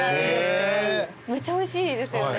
めちゃおいしいですよね。